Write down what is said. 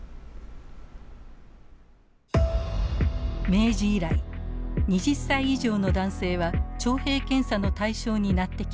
明治以来２０歳以上の男性は徴兵検査の対象になってきました。